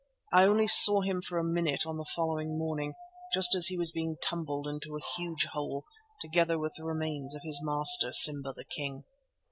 I only saw him for a minute on the following morning, just as he was being tumbled into a huge hole, together with the remains of his master, Simba the King.